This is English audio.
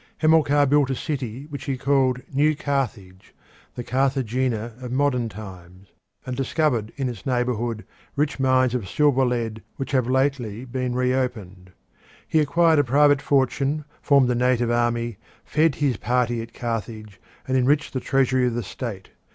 Hamilcar built a city which he called New Carthage the Carthagena of modern times and discovered in its neighbourhood rich mines of silver lead which have lately been reopened. He acquired a private fortune, formed a native army, fed his party at Carthage, and enriched the treasury of the state.